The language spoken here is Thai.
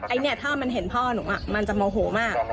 ไอ้เนี่ยถ้ามันเห็นพ่อนุกมันจะเมาโหมาก